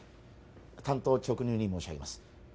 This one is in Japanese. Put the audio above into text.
単刀直入に申し上げます